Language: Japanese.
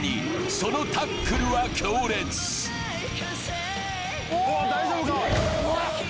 そのタックルは強烈大丈夫かおいうわっ